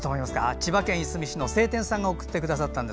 千葉県いすみ市の青天さんが送ってくださいました。